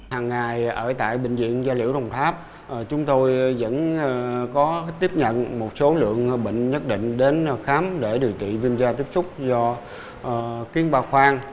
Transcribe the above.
hằng ngày ở tại bệnh viện gia liễu đồng tháp chúng tôi vẫn có tiếp nhận một số lượng bệnh nhất định đến khám để điều trị viêm da tiếp xúc do kiến ba khoang